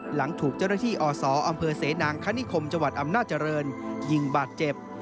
หลังถูกเจ้าหน้าที่อศอำเภอเสนางคณิคมจังหวัดอำนาจริงยิงบาดเจ็บ